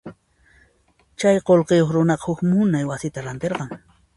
Chay qullqiyuq runaqa huk munay wasita rantirqan.